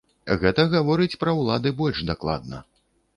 Гэта гаворыць пра ўлады больш дакладна.